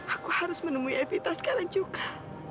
aku harus menemui evita sekarang juga